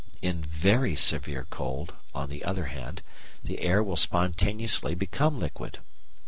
In very severe cold, on the other hand, the air will spontaneously become liquid.